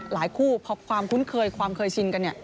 หลายคู่พอความคุ้นเคยความเคยชินกัน